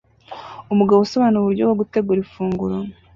Umugabo usobanura uburyo bwo gutegura ifunguro